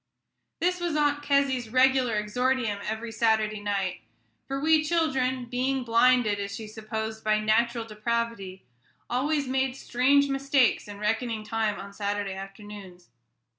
This was Aunt Kezzy's regular exordium every Saturday night; for we children, being blinded, as she supposed, by natural depravity, always made strange mistakes in reckoning time on Saturday afternoons.